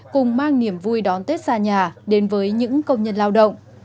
cùng mang niềm vui đón tết xa nhà đến với những công nhân lao động